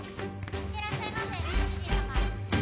いってらっしゃいませご主人様。